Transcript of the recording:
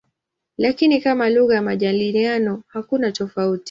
Lakini kama lugha ya majadiliano hakuna tofauti.